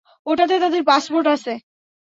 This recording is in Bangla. ওটাতে তাদের পাসপোর্ট আছে!